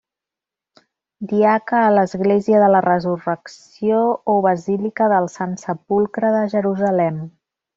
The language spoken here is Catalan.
Diaca a l'església de la Resurrecció o Basílica del Sant Sepulcre de Jerusalem.